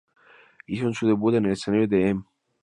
Hicieron su debut en el escenario de "M!